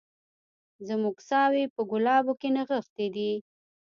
زموږ ساوي په ګلابو کي نغښتي دي